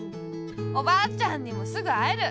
おばあちゃんにもすぐあえる！